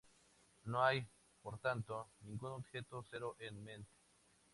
No hay, por tanto, ningún objeto cero en Met.